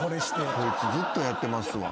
こいつずっとやってますわ。